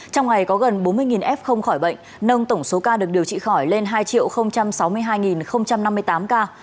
trong ngày có gần bốn mươi f không khỏi bệnh nâng tổng số ca được điều trị khỏi lên hai sáu mươi hai năm mươi tám ca